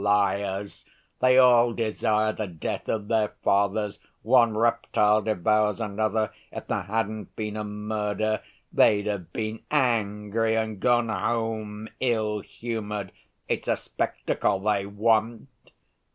Liars! They all desire the death of their fathers. One reptile devours another.... If there hadn't been a murder, they'd have been angry and gone home ill‐humored. It's a spectacle they want!